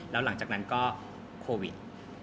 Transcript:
แล้วหลังจากนั้นก็โควิด